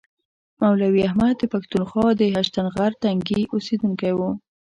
مولوي احمد د پښتونخوا د هشتنغر تنګي اوسیدونکی و.